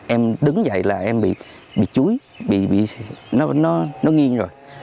em đứng dậy là em bị chúi nó nghiêng rồi